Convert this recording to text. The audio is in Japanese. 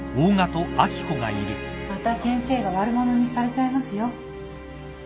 また先生が悪者にされちゃいますよ